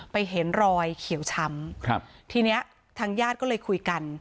เห็นรอยเขียวช้ำครับทีเนี้ยทางญาติก็เลยคุยกัน